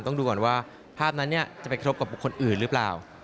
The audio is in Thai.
ต้องดูก่อนว่าภาพนั้นจะไปกระทบกับบุคคลอื่นหรือเปล่า